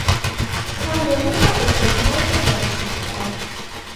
San Leonino possiede inoltre un proprio cimitero.